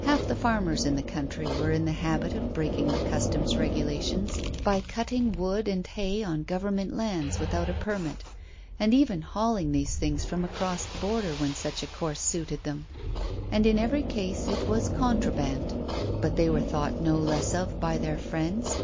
Half the farmers in the country were in the habit of breaking the Customs regulations by cutting wood and hay on Government lands without a permit, and even hauling these things from across the border when such a course suited them, and in every case it was "contraband"; but they were thought no less of by their friends.